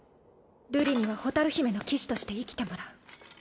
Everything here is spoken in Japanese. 瑠璃には蛍姫の騎士として生きてもらう。